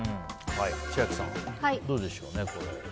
千秋さん、どうでしょう、これ。